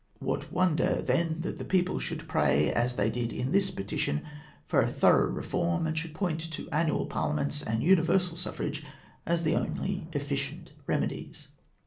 What wonder, then, that the people should pray, as they did in this petition, for a thorough reform, and should point to annual Parliaments and universal suffrage as the only efficient remedies?